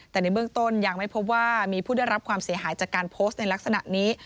แต่ในเบื้องต้นยังไม่พบว่ามีผู้ได้รับความเสียหายจากการโพสต์ในลักษณะนี้